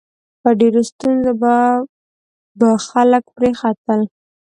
په ډېرو ستونزو به خلک پرې ختل.